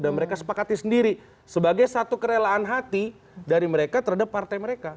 dan mereka sepakati sendiri sebagai satu kerelaan hati dari mereka terhadap partai mereka